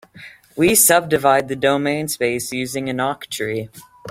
We subdivide the domain space using an octree.